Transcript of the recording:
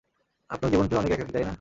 আপনার জীবনটা অনেক একাকী, তাই না?